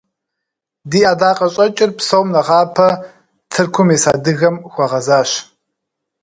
Ди ӀэдакъэщӀэкӀыр, псом нэхъапэ, Тыркум ис адыгэм хуэгъэзащ.